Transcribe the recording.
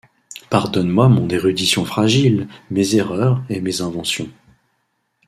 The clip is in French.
Pardonne-moi mon érudition fragile, mes erreurs et mes inventions.